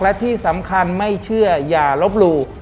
และที่สำคัญไม่เชื่ออย่าลบหลู่